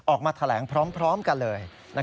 ออกมาแถลงพร้อมกันเลย